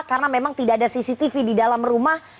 karena memang tidak ada cctv di dalam rumah